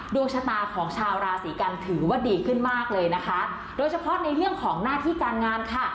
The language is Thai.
ดวงชะตาของชาวราศีกันถือว่าดีขึ้นมากเลยนะคะโดยเฉพาะในเรื่องของหน้าที่การงานค่ะ